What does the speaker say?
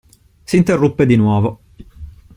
S'interruppe di nuovo.